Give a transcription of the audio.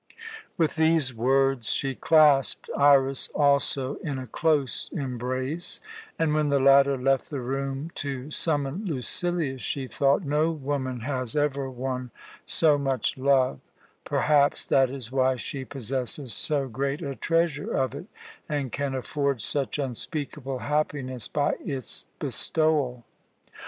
With these words she clasped Iras also in a close embrace, and when the latter left the room to summon Lucilius, she thought: "No woman has ever won so much love; perhaps that is why she possesses so great a treasure of it, and can afford such unspeakable happiness by its bestowal.